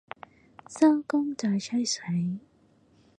收工再吹水